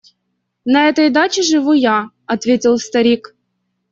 – На этой даче живу я, – ответил старик.